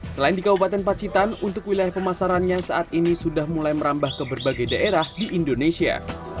selain di kabupaten pacitan untuk wilayah pemasarannya saat ini sudah mulai merambah ke berbagai daerah di indonesia